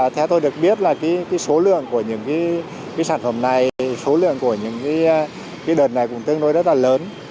theo tôi được biết là cái số lượng của những cái sản phẩm này số lượng của những cái đợt này cũng tương đối rất là lớn